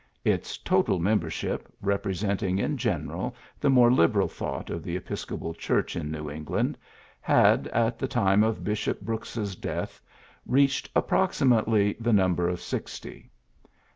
Its total membership, represent ing in general the more liberal thought of the Episcopal Church in New Eng land, had at the time of Bishop Brooks's death reached approximately the number of sixty.